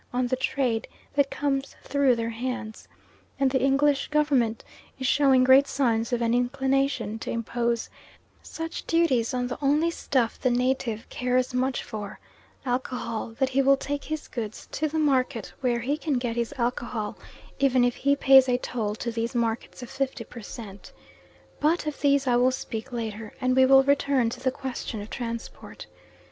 on the trade that comes through their hands, and the English Government is showing great signs of an inclination to impose such duties on the only stuff the native cares much for alcohol that he will take his goods to the market where he can get his alcohol; even if he pays a toll to these markets of fifty per cent. But of this I will speak later, and we will return to the question of transport.